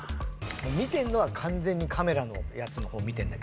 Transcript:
見てんのは完全にカメラのやつの方見てんだけど。